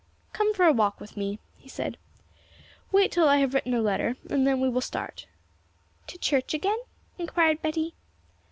'Come for a walk with me,' he said; 'wait till I have written a letter, and then we will start.' 'To church again?' inquired Betty.